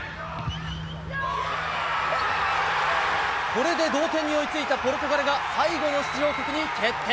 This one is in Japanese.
これで同点に追いついたポルトガルが、最後の出場国に決定。